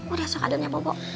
udah sok adennya bobo